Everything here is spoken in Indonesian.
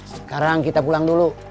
sekarang kita pulang dulu